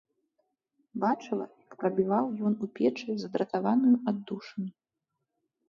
Бачыла, як прабіваў ён у печы задратаваную аддушыну.